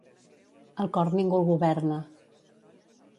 El cor ningú el governa.